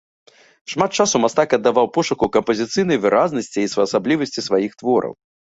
Шмат часу мастак аддаваў пошуку кампазіцыйнай выразнасці і своеасаблівасці сваіх твораў.